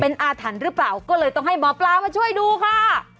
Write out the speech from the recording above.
เป็นอาถรรพ์หรือเปล่าก็เลยต้องให้หมอปลามาช่วยดูค่ะ